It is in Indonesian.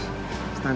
kita duduk di samping